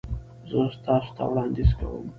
زه تاسو ته وړاندیز کوم